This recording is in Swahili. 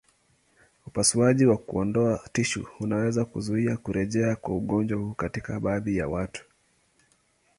Upasuaji wa kuondoa tishu unaweza kuzuia kurejea kwa ugonjwa huu katika baadhi ya watu.